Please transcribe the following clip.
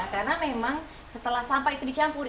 karena memang setelah sampah itu dicampur